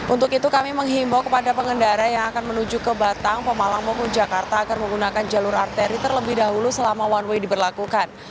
untuk itu kami menghimbau kepada pengendara yang akan menuju ke batang pemalang maupun jakarta akan menggunakan jalur arteri terlebih dahulu selama one way diberlakukan